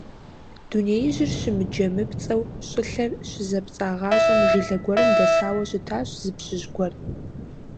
Дунеижьыр щымыджэмыпцӀэу щӀылъэр щызэпцӀагъащӀэм жылэ гуэрым дэсауэ щытащ зы пщыжь гуэр.